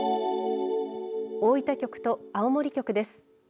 大分局と青森局です。